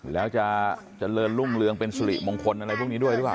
แล้วจะเจริญรุ่งเรืองเป็นสุริมงคลอะไรพวกนี้ด้วยหรือเปล่า